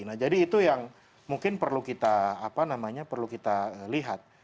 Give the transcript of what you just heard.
nah jadi itu yang mungkin perlu kita lihat